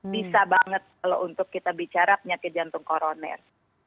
bisa banget kalau untuk kita bicara penyakit jantung koroner